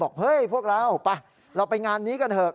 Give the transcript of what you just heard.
เฮ้ยพวกเราไปเราไปงานนี้กันเถอะ